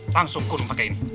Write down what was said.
langsung kurung pakai ini